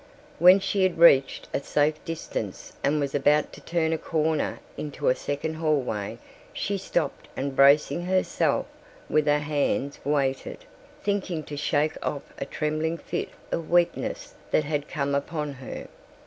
When she had reached a safe distance and was about to turn a corner into a second hallway she stopped and bracing herself with her hands waited, thinking to shake off a trembling fit of weakness that had come upon her.